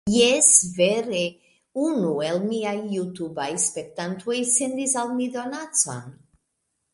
Jes, vere unu el miaj Jutubaj spektantoj sendis al mi donacon!